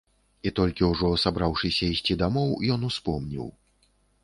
І толькі ўжо сабраўшыся ісці дамоў, ён успомніў.